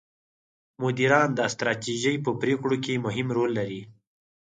مدیران د ستراتیژۍ په پرېکړو کې مهم رول لري.